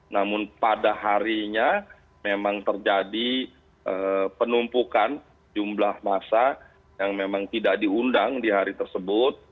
namun pada harinya memang terjadi penumpukan jumlah masa yang memang tidak diundang di hari tersebut